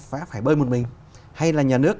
phải bơi một mình hay là nhà nước